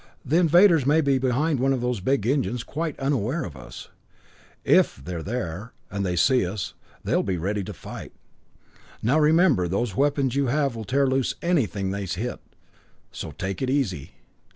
The invaders may be behind one of those big engines, quite unaware of us. If they're there, and they see us, they'll be ready to fight. Now remember, those weapons you have will tear loose anything they hit, so take it easy.